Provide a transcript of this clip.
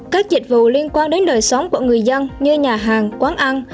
các dịch vụ liên quan đến đời sống của người dân như nhà hàng quán ăn